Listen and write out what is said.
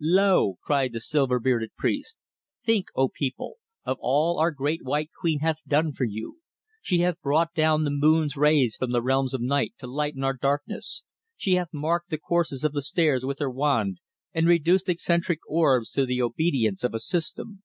"Lo!" cried the silver bearded priest. "Think, O people! of all our Great White Queen hath done for you. She hath brought down the moon's rays from the realms of night to lighten our darkness, she hath marked the courses of the stars with her wand and reduced eccentric orbs to the obedience of a system.